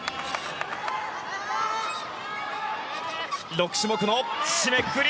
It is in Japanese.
６種目の締めくくり。